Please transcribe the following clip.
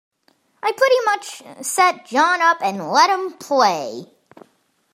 I pretty much set John up and let him play.